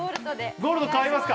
ゴールド買いますか？